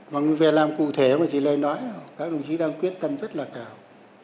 mà mình về làm cụ thể mà chị lê nói các đồng chí đang quyết tâm rất là cao